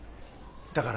だから。